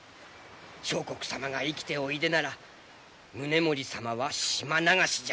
相国様が生きておいでなら宗盛様は島流しじゃ。